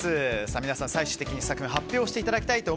皆さん、最終的に作品を発表していただきたいと